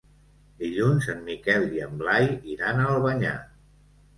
Dilluns en Miquel i en Blai iran a Albanyà.